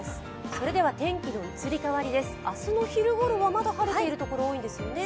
それでは、天気の移り変わりです明日の昼頃はまだ晴れている所多いんですよね。